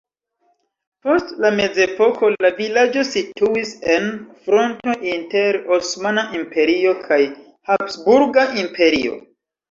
Post la mezepoko la vilaĝo situis en fronto inter Osmana Imperio kaj Habsburga Imperio.